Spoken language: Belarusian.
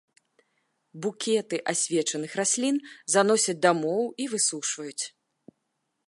Букеты асвечаных раслін заносяць дамоў і высушваюць.